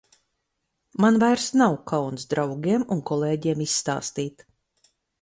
Man vairs nav kauns draugiem un kolēģiem izstāstīt.